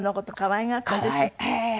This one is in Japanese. ええ。